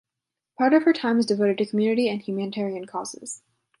Part of her time is devoted to community and humanitarian causes.